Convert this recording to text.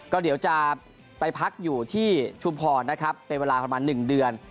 ก็เดี๋ยวจะไปพักอยู่ที่ชุมพรนะครับเป็นเวลาประมาณ๑เดือน